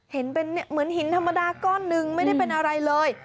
เห็นเป็นเหมือนหินธรรมดาก้อนหนึ่งไม่ได้เป็นอะไรเลย